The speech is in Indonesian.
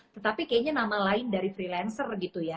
tetapi kayaknya nama lain dari freelancer gitu ya